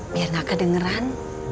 biar gak kedengeran